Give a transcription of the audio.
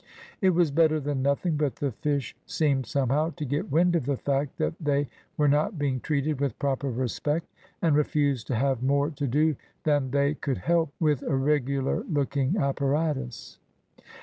It was better than nothing, but the fish seemed somehow to get wind of the fact that they were not being treated with proper respect, and refused to have more to do than they could help with irregular looking apparatus.